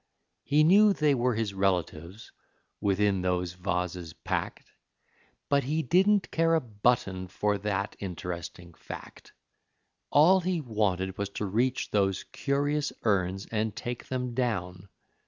He knew they were his relatives, within those vases packed, But he didn't care a button for that interesting fact; All he wanted was to reach those curious urns and take them down.